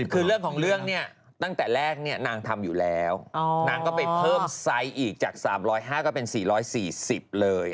คือเรื่องของเรื่องเนี่ยตั้งแต่แรกเนี่ยนางทำอยู่แล้วนางก็ไปเพิ่มไซส์อีกจาก๓๐๕ก็เป็น๔๔๐เลย